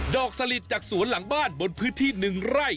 สลิดจากสวนหลังบ้านบนพื้นที่๑ไร่